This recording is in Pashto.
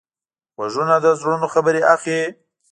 غوږونه د زړونو خبرې اخلي